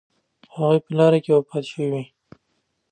هغوی په لاره کې وفات شوي.